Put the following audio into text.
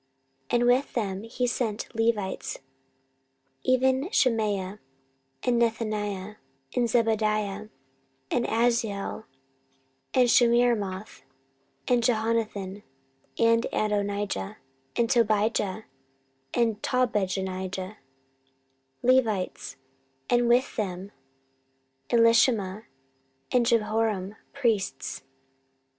14:017:008 And with them he sent Levites, even Shemaiah, and Nethaniah, and Zebadiah, and Asahel, and Shemiramoth, and Jehonathan, and Adonijah, and Tobijah, and Tobadonijah, Levites; and with them Elishama and Jehoram, priests.